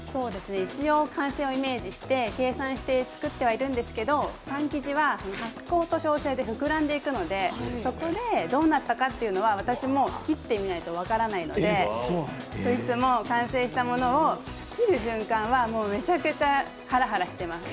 一応完成をイメージして計算して作ってはいるんですけどパン生地は発酵で膨らんでいくのでそこでどうなったかというのは私も切ってみないと分からないので、いつも完成したものを切る瞬間はめちゃくちゃハラハラしてます。